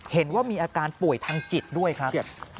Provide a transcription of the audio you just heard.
เห็นว่ามีอาการป่วยทางจิตด้วยครับ